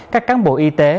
các cán bộ y tế